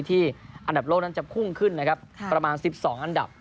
อันดับโลกนั้นจะพุ่งขึ้นนะครับประมาณ๑๒อันดับ